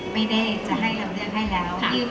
ไม่ได้จะให้เราเลือกให้แล้ว